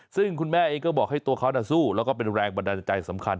ซึ่งคุณแม่เองก็บอกให้ตัวเขาสู้แล้วก็เป็นแรงบันดาลใจสำคัญ